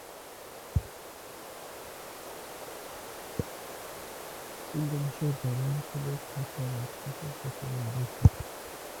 ইন্দোনেশিয়ার জাভা অঞ্চলে খাঁচায় মাছ চাষের প্রচলন বেশি।